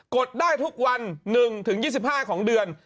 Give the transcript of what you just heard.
ดได้ทุกวัน๑๒๕ของเดือน